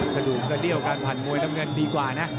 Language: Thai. กระดูกกระเดี้ยวการผ่านมวยน้ำเงินดีกว่านะ